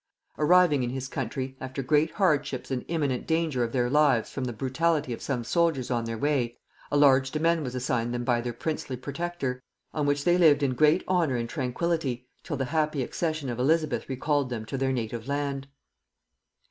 Arriving in his country, after great hardships and imminent danger of their lives from the brutality of some soldiers on their way, a large demesne was assigned them by their princely protector, on which they lived in great honor and tranquillity till the happy accession of Elizabeth recalled them to their native land.